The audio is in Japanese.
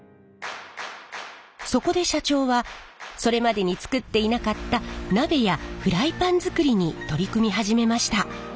そこで社長はそれまでに作っていなかった鍋やフライパン作りに取り組み始めました。